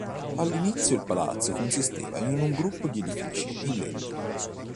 All'inizio il palazzo consisteva in un gruppo di edifici in legno.